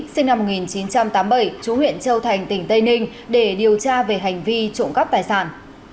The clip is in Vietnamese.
sinh năm một nghìn chín trăm tám mươi bảy chú huyện châu thành tỉnh tây ninh để điều tra về hành vi trộm cắp tài sản